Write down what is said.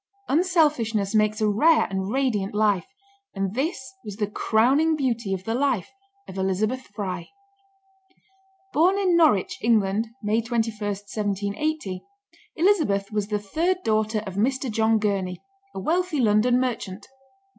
Unselfishness makes a rare and radiant life, and this was the crowning beauty of the life of Elizabeth Fry. Born in Norwich, England, May 21, 1780, Elizabeth was the third daughter of Mr. John Gurney, a wealthy London merchant.